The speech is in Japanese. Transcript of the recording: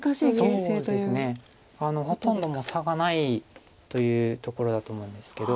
そうですねほとんどもう差がないというところだと思うんですけど。